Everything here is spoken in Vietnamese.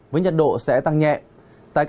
với nhật độ sẽ tăng nhẹ